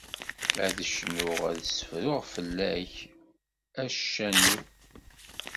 Ad cnuɣ, ad ssefruɣ fell-ak, a ccan-iw!